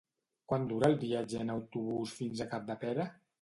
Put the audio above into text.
Quant dura el viatge en autobús fins a Capdepera?